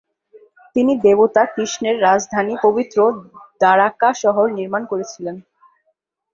তিনি দেবতা কৃষ্ণের রাজধানী পবিত্র দ্বারকা শহরটি নির্মাণ করেছিলেন।